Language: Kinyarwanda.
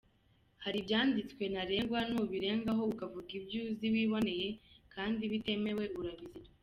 Hari ibyanditswe ntarengwa, nubirengaho ukavuga ibyo uzi wiboneye kandi bitemewe, urabizira.